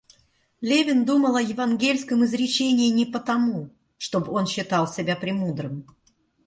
Левин думал о евангельском изречении не потому, чтоб он считал себя премудрым.